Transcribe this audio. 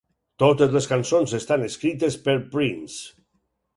Totes les cançons estan escrites per Prince.